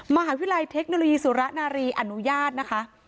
มหาวิทยาลัยเทคโนโลยีสุรนารีอนุญาตนะคะ